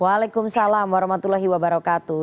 waalaikumsalam warahmatullahi wabarakatuh